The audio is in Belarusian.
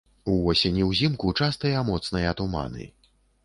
Увосень і ўзімку частыя моцныя туманы.